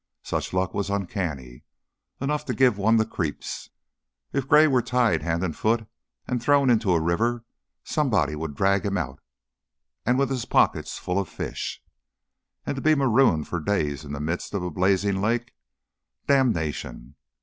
Such luck was uncanny enough to give one the creeps. If Gray were tied hand and foot and thrown into a river, somebody would drag him out with his pockets full of fish! And to be marooned for days in the midst of a blazing lake Damnation!